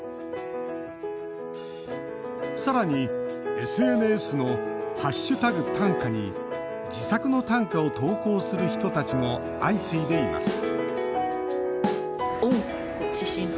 さらに、ＳＮＳの「＃短歌」に自作の短歌を投稿する人たちも相次いでいます